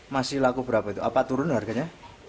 masih laku berapa itu apa turun harganya